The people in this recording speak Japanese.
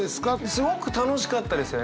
すごく楽しかったですよね。